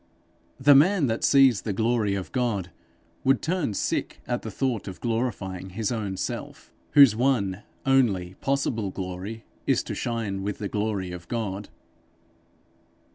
The man that sees the glory of God, would turn sick at the thought of glorifying his own self, whose one only possible glory is to shine with the glory of God.